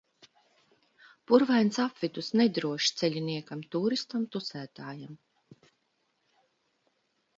Purvains apvidus nedrošs ceļiniekam, tūristam, tusētājam.